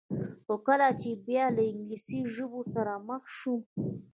خو کله چې به بیا له انګلیسي ژبو سره مخ شوم.